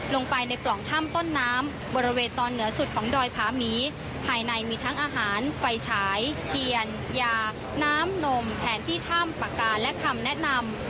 ลงไปในปล่องถ้ำต้นน้ำบริเวณตอนเหนือสุดของดอยผาหมีภายในมีทั้งอาหารไฟฉายเทียนยาน้ำนมแทนที่ถ้ำปากกาและคำแนะนำ